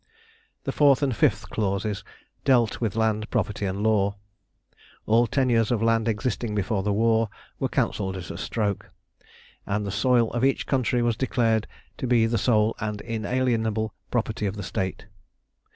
The fourth and fifth clauses dealt with land, property, and law. All tenures of land existing before the war were cancelled at a stroke, and the soil of each country was declared to be the sole and inalienable property of the State.